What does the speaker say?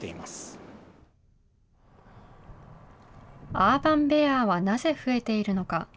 アーバンベアはなぜ増えているのか。